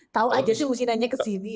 tahu aja sih musimnya kesini ya